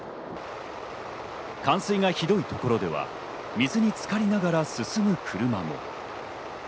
冠水がひどいところでは水につかりながら進む車も。